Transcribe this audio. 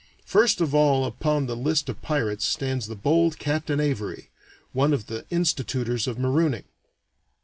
First of all upon the list of pirates stands the bold Captain Avary, one of the institutors of marooning.